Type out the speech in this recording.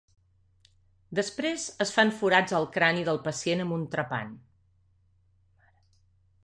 Després es fan forats al crani del pacient amb un trepant.